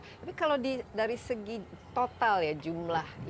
tapi kalau dari segi total ya jumlah yang diperlukan untuk membahas